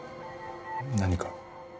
何か？